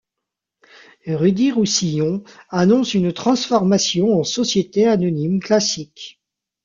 Rudi Roussillon annonce une transformation en société anonyme classique.